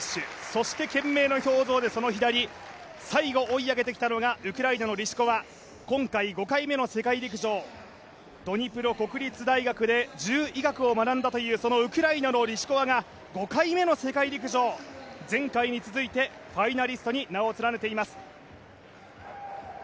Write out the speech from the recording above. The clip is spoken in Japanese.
そして懸命な表情で最後追い上げてきたのがウクライナのリシコワ、今回、５回目の世界陸上、ドニプロ国立大学で獣医学を学んだというウクライナのリシコワが５回目の世界陸上前回に続いてファイナリストに名を連ねています。